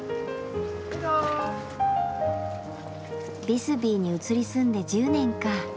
ビスビーに移り住んで１０年か。